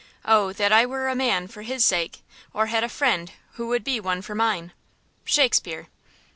Oh! that I were a man for his sake, or had a friend who would be one for mine!–SHAKESPEARE.